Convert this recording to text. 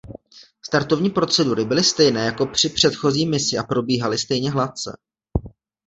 Startovní procedury byly stejné jako při předchozí misi a probíhaly stejně hladce.